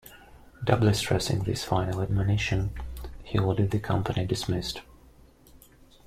Doubly stressing this final admonition, he ordered the company dismissed.